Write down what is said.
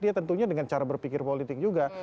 dia tentunya dengan cara berpikir politik juga